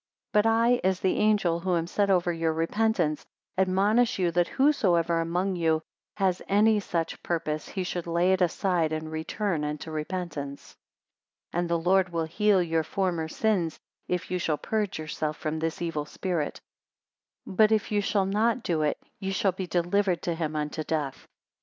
209 But I, as the angel who am set over your repentance, admonish you, that whosoever among you has any such purpose he should lay it aside, and return unto repentance; and the Lord will heal your former sins, if you shall purge yourself from this evil spirit; but if you shall not do it, ye shall be delivered to him unto death.